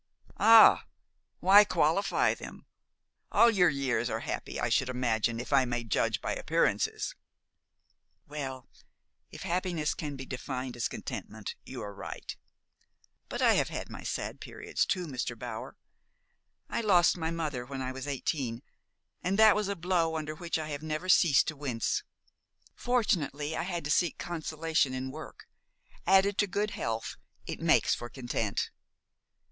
"Ah! Why qualify them? All your years are happy, I should imagine, if I may judge by appearances." "Well, if happiness can be defined as contentment, you are right; but I have had my sad periods too, Mr. Bower. I lost my mother when I was eighteen, and that was a blow under which I have never ceased to wince. Fortunately, I had to seek consolation in work. Added to good health, it makes for content."